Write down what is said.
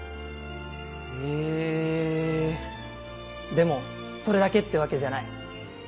でもそれだけってわけじゃない。